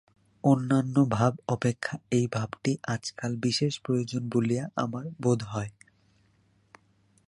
অন্যান্য ভাব অপেক্ষা এই ভাবটি আজকাল বিশেষ প্রয়োজন বলিয়া আমার বোধ হয়।